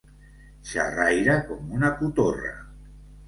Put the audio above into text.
Xerraire com una cotorra.